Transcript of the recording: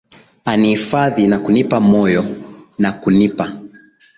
aniifadhi na kunipa moyo na kunipa